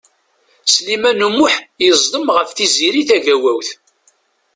Sliman U Muḥ yeẓdem ɣef Tiziri Tagawawt.